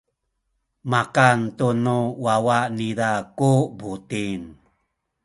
makan tu nu wawa niza ku buting.